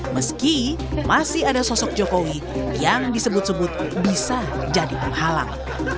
meski masih ada sosok jokowi yang disebut sebut bisa jadi penghalang